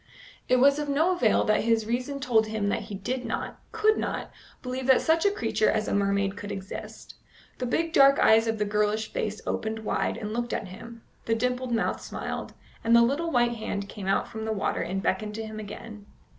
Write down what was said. It was of no avail that his reason told him that he did not, could not, believe that such a creature as a mermaid could exist. The big dark eyes of the girlish face opened wide and looked at him, the dimpled mouth smiled, and the little white hand came out from the water and beckoned to him again.